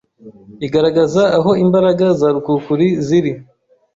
igaragaza aho imbaraga za rukuruzi ziri.